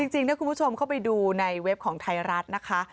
จริงถ้าคุณผู้ชมเข้าไปดูในเว็บของไทยรัฐนะคะ